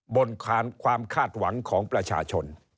บนความคาดหวังของประชาชน